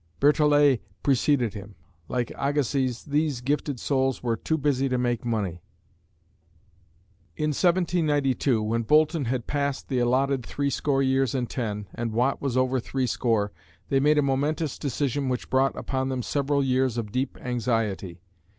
Berthollet preceded him. Like Agassiz, these gifted souls were "too busy to make money." In 1792, when Boulton had passed the allotted three score years and ten, and Watt was over three score, they made a momentous decision which brought upon them several years of deep anxiety.